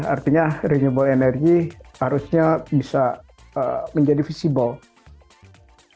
artinya renewable energy harusnya bisa menjadi visible